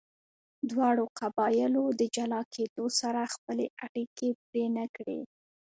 دواړو قبیلو د جلا کیدو سره خپلې اړیکې پرې نه کړې.